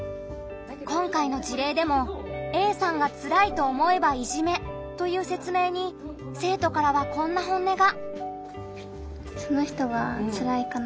今回の事例でも「Ａさんがつらいと思えばいじめ」という説明に生徒からはこんな本音が。